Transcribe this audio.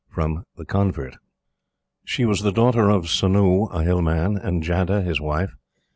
The Convert. She was the daughter of Sonoo, a Hill man, and Jadeh his wife.